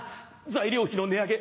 材料費の値上げ